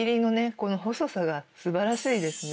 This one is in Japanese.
この細さが素晴らしいですね。